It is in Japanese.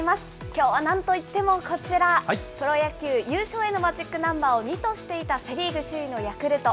きょうはなんといってもこちら、プロ野球、優勝へのマジックナンバーを２としていたセ・リーグ首位のヤクルト。